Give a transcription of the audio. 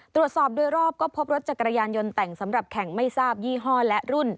ตรวจสอบโดยรอบก็พบรถจักรยานยนต์แต่งสำหรับแข่งไม่ทราบยี่ห้อและรุ่น